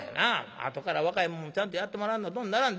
あとから若い者もちゃんとやってもらわんとどんならんで。